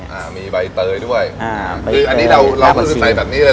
อ่ามีใบเตยด้วยอ่าคืออันนี้เราเราก็คือเตยแบบนี้เลย